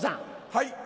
はい。